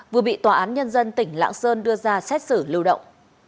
vừa bị tòa án nhân dân tỉnh lạng sơn đưa ra xét xử lưu động